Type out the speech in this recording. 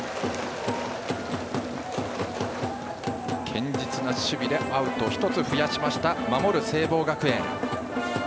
堅実な守備でアウト１つ増やしました守る聖望学園。